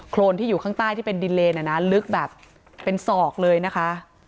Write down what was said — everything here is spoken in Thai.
รนที่อยู่ข้างใต้ที่เป็นดินเลนลึกแบบเป็นศอกเลยนะคะ